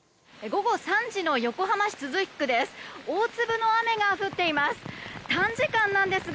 午後３時の横浜市都筑区です。